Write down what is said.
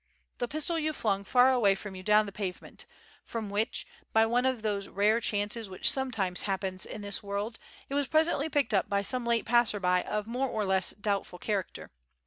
The pistol you flung far away from you down the pavement, from which, by one of those rare chances which sometimes happen in this world, it was presently picked up by some late passer by of more or less doubtful character.